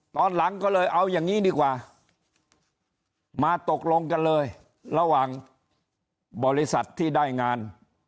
ตอนหลังก็เลยเอาอย่างนี้ดีกว่ามาตกลงกันเลยระหว่างบริษัทที่ได้งาน